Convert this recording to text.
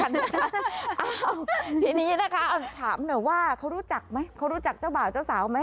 นะคะทีนี้นะคะถามหน่อยว่าเขารู้จักไหมเขารู้จักเจ้าบ่าวเจ้าสาวไหม